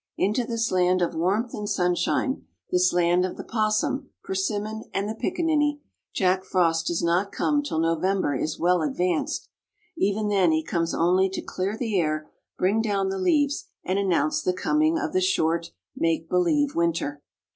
Into this land of warmth and sunshine, this land of the 'possum, persimmon and the pickaninny, Jack Frost does not come till November is well advanced. Even then he comes only to clear the air, bring down the leaves, and announce the coming of the short, make believe winter.